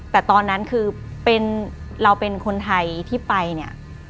แต่ตอนนั้นคือเราเป็นคนไทยที่ไปเนี่ย